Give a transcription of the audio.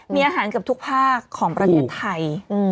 มีอาหารเกือบทุกภาคของประเทศไทย